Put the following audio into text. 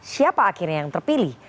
siapa akhirnya yang terpilih